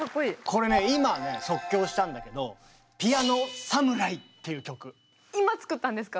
これね今ね即興したんだけど今作ったんですか？